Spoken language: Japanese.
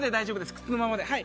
靴のままではい。